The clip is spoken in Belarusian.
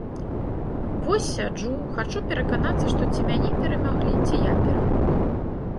Вось, сяджу, хачу пераканацца, што ці мяне перамаглі, ці я перамог.